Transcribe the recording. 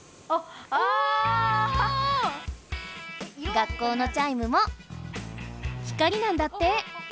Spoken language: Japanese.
学校のチャイムも光なんだって！